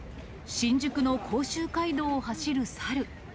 新宿の甲州街道を走る猿。